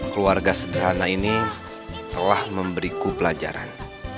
keluarga sederhana ini telah memberiku pelajaran